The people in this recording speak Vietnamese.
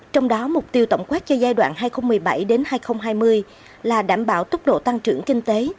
trong đó mục tiêu tổng quát cho giai đoạn hai nghìn một mươi bảy hai nghìn hai mươi là đảm bảo tốc độ tăng trưởng kinh tế